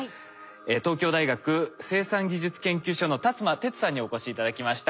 東京大学生産技術研究所の立間徹さんにお越し頂きました。